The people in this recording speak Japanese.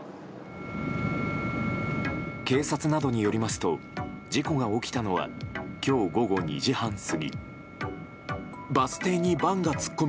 警察などによりますと事故が起きたのは今日午後２時半過ぎ。